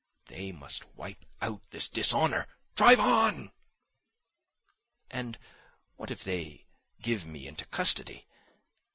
They must wipe out this dishonour! Drive on! And what if they give me into custody?